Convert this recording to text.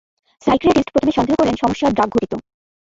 Psychiatrist প্রথমে সন্দেহ করলেন সমস্যা ড্রাগঘটিত।